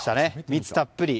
蜜がたっぷり。